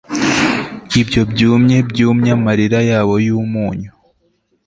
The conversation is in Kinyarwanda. ibyo byumye byumye amarira yabo yumunyu